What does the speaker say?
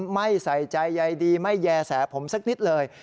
ไม่ใส่ใจใยดีไม่แย่แสผมสักนิดเลย